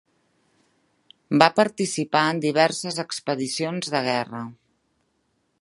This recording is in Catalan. Va participar en diverses expedicions de guerra.